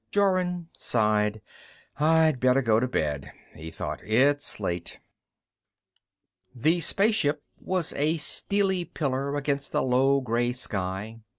Jorun sighed. I'd better go to bed, he thought. It's late. The spaceship was a steely pillar against a low gray sky.